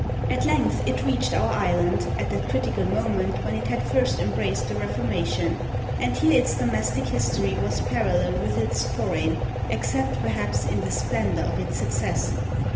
At length it reached our island at that critical moment when it had first embraced the Reformation; and here its domestic history was parallel with its foreign, except, perhaps, in the splendour of its success.